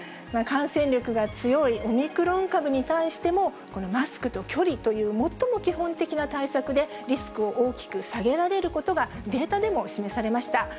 感染力が強いオミクロン株に対しても、マスクと距離という、最も基本的な対策で、リスクを大きく下げられることが、データでも示されました。